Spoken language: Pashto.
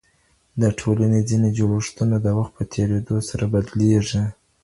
د ټولنې ځینې جوړښتونه د وخت په تیریدو سره بدليږي.